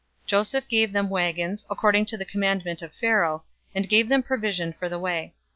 Joseph gave them wagons, according to the commandment of Pharaoh, and gave them provision for the way.